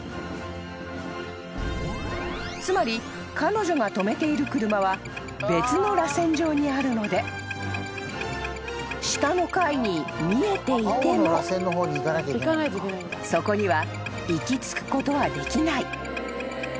［つまり彼女が止めている車は別のらせん状にあるので下の階に見えていてもそこには行き着くことはできない］